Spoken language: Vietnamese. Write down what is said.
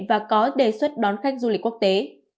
và có đề xuất đón khách du lịch quốc tế